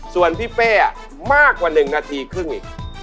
ส่วนพี่เป้มากกว่า๑นาทีครึ่งอีก